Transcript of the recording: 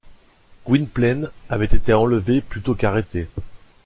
Gwynplaine avait été enlevé plutôt qu’arrêté.